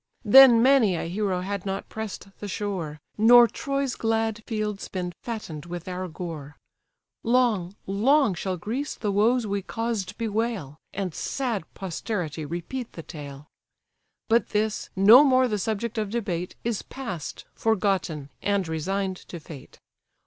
Then many a hero had not press'd the shore, Nor Troy's glad fields been fatten'd with our gore. Long, long shall Greece the woes we caused bewail, And sad posterity repeat the tale. But this, no more the subject of debate, Is past, forgotten, and resign'd to fate.